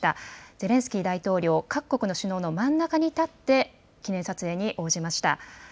ゼレンスキー大統領、各国の首脳の真ん中に立って、記念撮影に応じました。